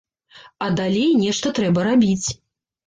А далей нешта трэба рабіць.